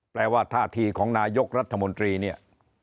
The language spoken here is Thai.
แปลว่าท่าทีของนายกรัฐมนตรีเนี่ย